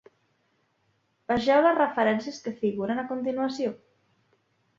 Vegeu les referències que figuren a continuació.